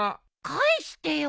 返してよ！